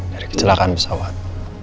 dari kecelakaan pesawat